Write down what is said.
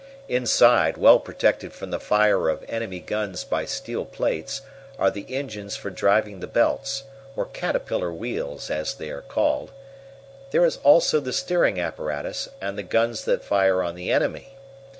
Inside, well protected from the fire of enemy guns by steel plates, are the engines for driving the belts, or caterpillar wheels, as they are called. There is also the steering apparatus, and the guns that fire on the enemy.